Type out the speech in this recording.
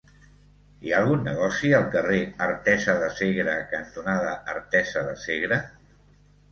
Hi ha algun negoci al carrer Artesa de Segre cantonada Artesa de Segre?